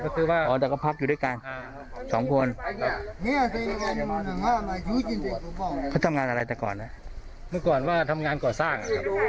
เขาต้องการอะไรแต่ก่อนเมื่อก่อนว่าทำงานก่อนสร้างอ๋อ